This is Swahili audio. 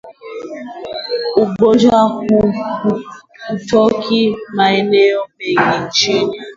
Ugonjwa huu hutokea maeneo mengi nchini